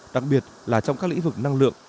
đặc biệt là trong các lĩnh vực năng lượng